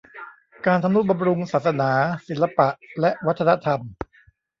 การทำนุบำรุงศาสนา ศิลปะและวัฒนธรรม